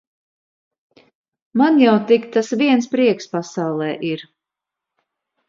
Man jau tik tas viens prieks pasaulē ir.